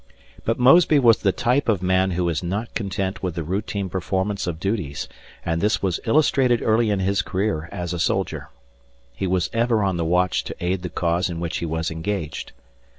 But Mosby was the type of man who is not content with the routine performance of duties, and this was illustrated early in his career as a soldier. He was ever on the watch to aid the cause in which he was engaged.